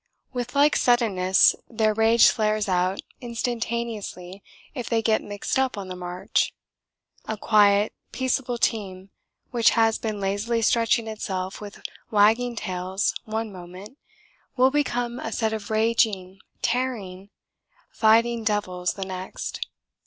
With like suddenness their rage flares out instantaneously if they get mixed up on the march a quiet, peaceable team which has been lazily stretching itself with wagging tails one moment will become a set of raging, tearing, fighting devils the next.